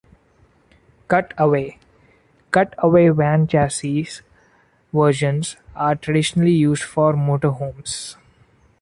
Cut-Away: Cutaway van chassis versions are traditionally used for motor homes.